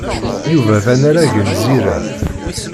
Yuba d anarag n Zira.